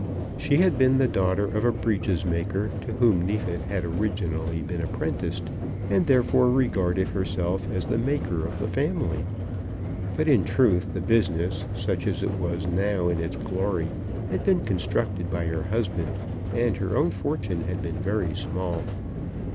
She had been the daughter of a breeches maker, to whom Neefit had originally been apprenticed, and therefore regarded herself as the maker of the family. But in truth the business, such as it was now in its glory, had been constructed by her husband, and her own fortune had been very small.